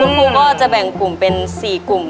คุณครูก็จะแบ่งกลุ่มเป็น๔กลุ่ม